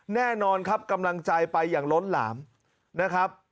แน่นอนครับกำลังใจไปอย่างล้นหลามนะครับ